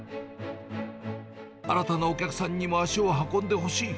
新たなお客さんにも足を運んでほしい。